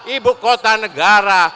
ibu kota negara